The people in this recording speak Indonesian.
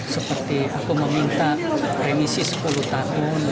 seperti aku meminta remisi sepuluh tahun